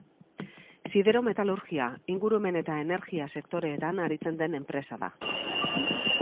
Siderometalurgia, ingurumen eta energia sektoreetan aritzen den enpresa da.